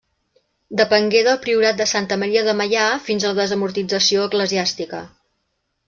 Depengué del priorat de Santa Maria de Meià fins a la desamortització eclesiàstica.